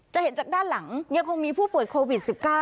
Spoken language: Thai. เห็นจากด้านหลังยังคงมีผู้ป่วยโควิด๑๙